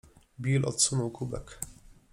Bill odsunął kubek.